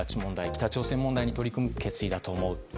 北朝鮮問題に取り組む決意だと思う。